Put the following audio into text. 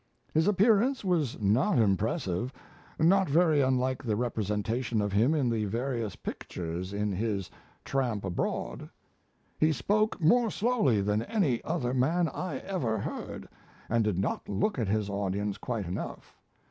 His appearance was not impressive, not very unlike the representation of him in the various pictures in his 'Tramp Abroad'. He spoke more slowly than any other man I ever heard, and did not look at his audience quite enough.